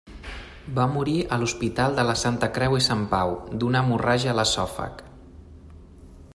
Va morir a l'Hospital de la Santa Creu i Sant Pau d'una hemorràgia a l'esòfag.